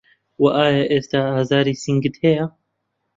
وه ئایا ئێستا ئازاری سنگت هەیە